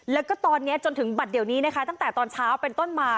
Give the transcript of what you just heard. แล้วก็ตอนนี้จนถึงบัตรเดี๋ยวนี้นะคะตั้งแต่ตอนเช้าเป็นต้นมา